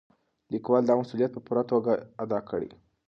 لیکوال دا مسؤلیت په پوره توګه ادا کړی.